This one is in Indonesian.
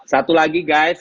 satu lagi guys